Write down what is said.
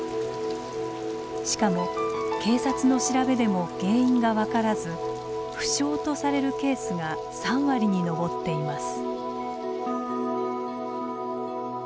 しかも警察の調べでも原因が分からず不詳とされるケースが３割に上っています。